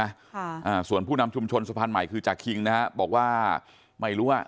อ่าส่วนผู้นำชุมชนสะพานใหม่คือจากคิงนะฮะบอกว่าไม่รู้อ่ะ